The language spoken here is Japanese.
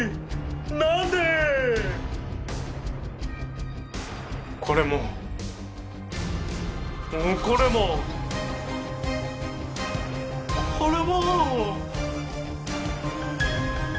なんで⁉これも！これも！これも！